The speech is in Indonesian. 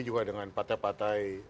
juga dengan partai partai